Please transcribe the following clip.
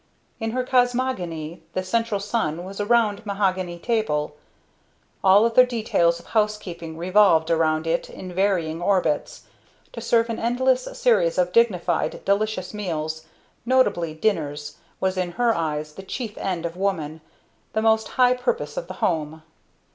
In her cosmogony the central sun was a round mahogany table; all other details of housekeeping revolved about it in varying orbits. To serve an endless series of dignified delicious meals, notably dinners, was, in her eyes, the chief end of woman; the most high purpose of the home.